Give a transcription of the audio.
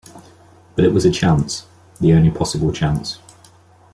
But it was a chance, the only possible chance.